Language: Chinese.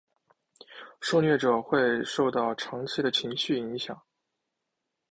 受虐者会受到长期的情绪影响。